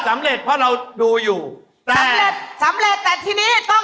แม่แม่บอก